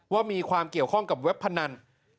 ว่ามีความเกี่ยวข้องกับเว็บพนัน